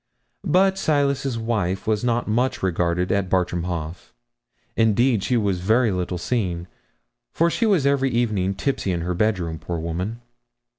But Silas's wife was not much regarded at Bartram Haugh. Indeed, she was very little seen, for she was every evening tipsy in her bedroom, poor woman!'